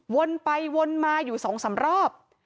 วนไปวนมาอยู่สองสามรอบ